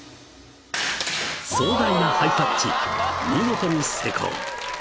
［壮大なハイタッチ見事に成功］